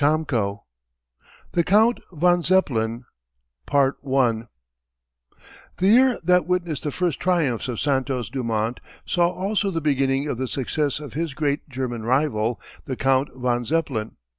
CHAPTER IV THE COUNT VON ZEPPELIN The year that witnessed the first triumphs of Santos Dumont saw also the beginning of the success of his great German rival, the Count von Zeppelin.